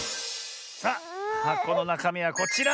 さあはこのなかみはこちら！